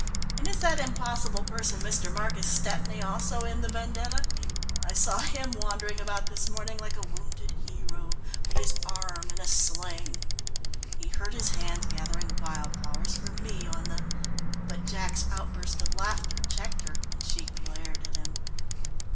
And is that impossible person, Mr. Marcus Stepney, also in the vendetta? I saw him wandering about this morning like a wounded hero, with his arm in a sling." "He hurt his hand gathering wild flowers for me on the " But Jack's outburst of laughter checked her, and she glared at him.